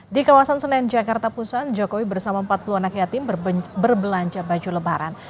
di kawasan senen jakarta pusat jokowi bersama empat puluh anak yatim berbelanja baju lebaran